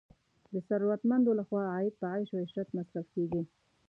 د ثروتمندو لخوا عاید په عیش او عشرت مصرف کیږي.